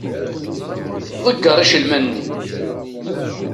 Ḍegger icelman-nni.